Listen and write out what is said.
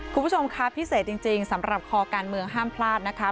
คุณผู้ชมค่ะพิเศษจริงสำหรับคอการเมืองห้ามพลาดนะคะ